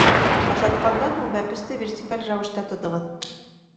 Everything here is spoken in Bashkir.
- ашатҡандан һуң бәпесте вертикаль рәүештә тотоғоҙ